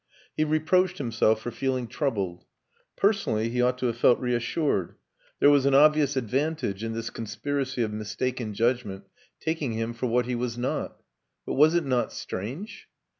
He reproached himself for feeling troubled. Personally he ought to have felt reassured. There was an obvious advantage in this conspiracy of mistaken judgment taking him for what he was not. But was it not strange?